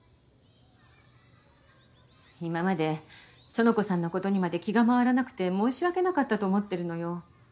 今まで苑子さんのことにまで気が回らなくて申し訳なかったと思ってるのよ。